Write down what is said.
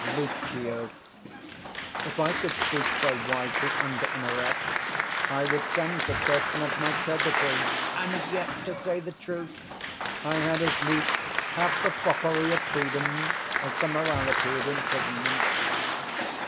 Lucio. If I could speak so wisely under an arrest, I 125 would send for certain of my creditors: and yet, to say the truth, I had as lief have the foppery of freedom as the morality of imprisonment.